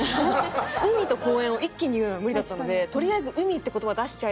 「海」と「公園」を一気に言うのは無理だったのでとりあえず「海」って言葉出しちゃえ。